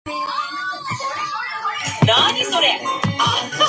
居然告了不只一人